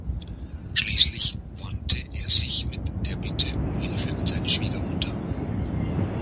Schließlich wandte er sich mit der Bitte um Hilfe an seine Schwiegermutter.